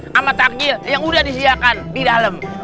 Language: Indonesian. sama takjil yang udah disediakan di dalam